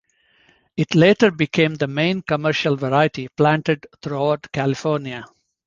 It later became the main commercial variety planted throughout California.